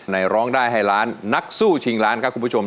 ร้องได้ให้ล้านนักสู้ชิงล้านครับคุณผู้ชม